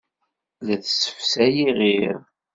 La tessefsay iɣir.